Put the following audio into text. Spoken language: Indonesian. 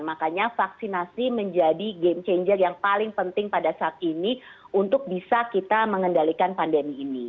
makanya vaksinasi menjadi game changer yang paling penting pada saat ini untuk bisa kita mengendalikan pandemi ini